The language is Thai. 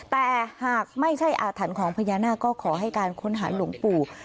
แต่หากไม่ใช่อาถรรพ์ของพญานาคก็ขอให้การค้นหาหลวงปู่